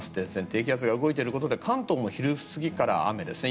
低気圧が動いていることで関東は昼過ぎから雨ですね。